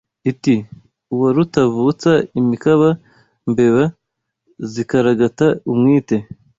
Iti « uwa rutavutsa imikaka mbeba zikaragata umwite